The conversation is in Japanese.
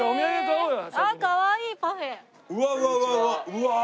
うわ。